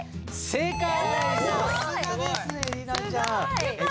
正解！